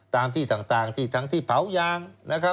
ตามที่ต่างที่เผายาง